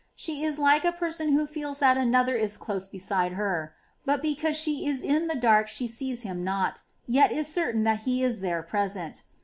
She is like a person who feels that another is close beside her ; but because she is in the dark she sees him not, yet is certain that he is there present.